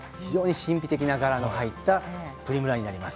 神秘的な柄の入ったプリムラです。